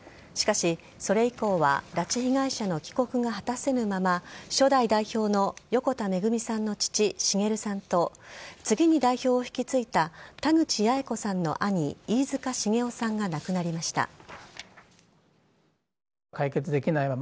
しかし、それ以降は拉致被害者の帰国が果たせぬまま初代代表の横田めぐみさんの父・滋さんと次に代表を引き継いだ田口八重子さんの兄飯塚繁雄さんが亡くなりました。